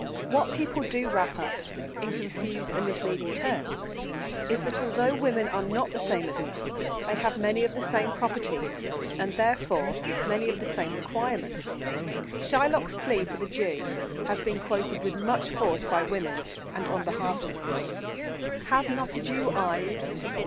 What people do wrap up, in confused and misleading terms, is, that although women are not the same as men, they have many of the same properties and therefore many of the same requirements. Shylock's plea for the Jew has been quoted with much force by women and on behalf of women: "Hath not a Jew eyes?